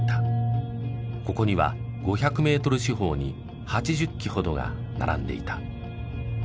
ここには５００メートル四方に８０基ほどが並んでいた。